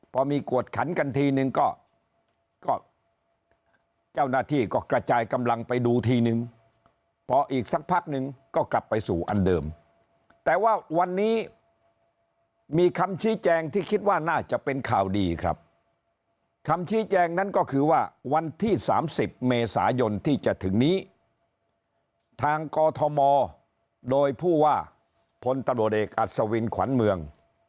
พอมีกวดขันกันทีนึงก็เจ้าหน้าที่ก็กระจายกำลังไปดูทีนึงพออีกสักพักนึงก็กลับไปสู่อันเดิมแต่ว่าวันนี้มีคำชี้แจงที่คิดว่าน่าจะเป็นข่าวดีครับคำชี้แจงนั้นก็คือว่าวันที่๓๐เมษายนที่จะถึงนี้ทางกอทมโดยผู้ว่าพลตรวจเอกอัศวินขวัญเมือง